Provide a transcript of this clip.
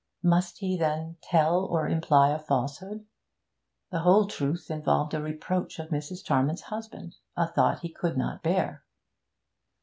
Must he, then, tell or imply a falsehood. The whole truth involved a reproach of Mrs. Charman's husband a thought he could not bear.